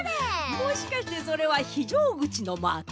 もしかしてそれはひじょうぐちのマーク？